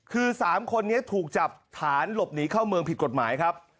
คือ๓คนนี้ถูกจับฐานหลบหนีเข้าเมืองผิดกฎหมายครับ